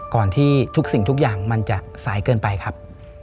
ที่ทุกสิ่งทุกอย่างมันจะสายเกินไปครับ